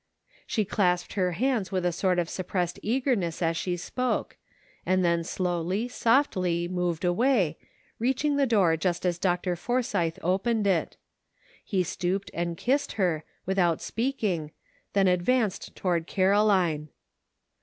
She clasped her hands with a sort of sup pressed eagerness as she spoke, and then slowly, softly, moved away, reaching the door just as Dr. Forsythe opened it. He stooped and kissed her, without speaking, then advanced toward Caroline.